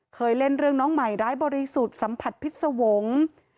เคยเล่นเรื่องน้องใหม่ร้ายบริสุทธิ์สัมผัสพิษสวงศ์